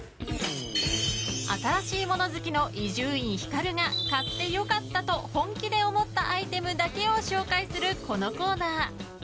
新しい物好きの伊集院光が買って良かったと本気で思ったアイテムだけを紹介するこのコーナー。